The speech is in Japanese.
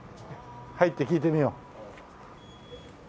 入って聞いてみよう。